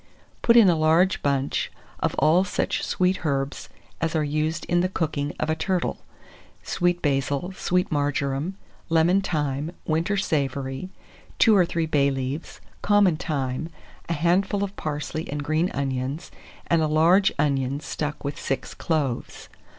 Put in a large bunch of all such sweet herbs as are used in the cooking of a turtle, sweet basil, sweet marjoram, lemon thyme, winter savory, 2 or 3 bay leaves, common thyme, a handful of parsley and green onions, and a large onion stuck with 6 cloves.